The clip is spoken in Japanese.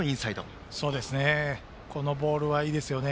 このボールはいいですよね。